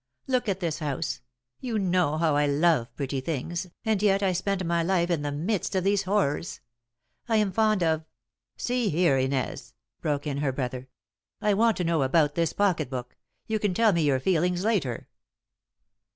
Look at this house. You know how I love pretty things, and yet I spend my life in the midst of these horrors. I am fond of " "See here, Inez," broke in her brother, "I want I to know about this pocket book. You can tell me your feelings later."